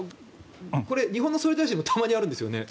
日本の総理大臣もたまにあるんですよね。